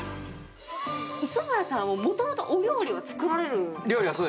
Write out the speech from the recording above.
磯村さんはもともとお料理を作られる？